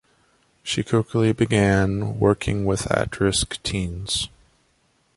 She quickly began working with at risk teens.